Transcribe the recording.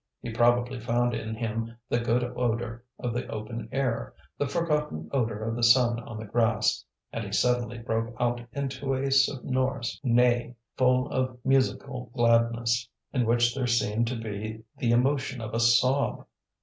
He probably found in him the good odour of the open air, the forgotten odour of the sun on the grass. And he suddenly broke out into a sonorous neigh, full of musical gladness, in which there seemed to be the emotion of a sob.